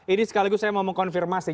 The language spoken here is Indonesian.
ini sekaligus saya mau mengkonfirmasi